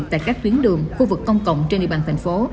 tại các tuyến đường khu vực công cộng trên địa bàn tp